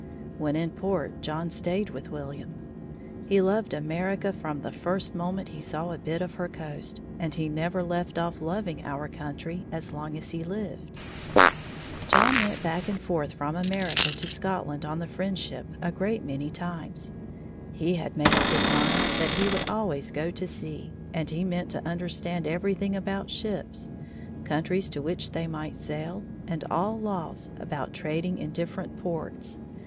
When in port, John stayed with William. He loved America from the first moment he saw a bit of her coast, and he never left off loving our country as long as he lived. John went back and forth from America to Scotland on the Friendship a great many times. He had made up his mind that he would always go to sea, and he meant to understand everything about ships, countries to which they might sail, and all laws about trading in different ports.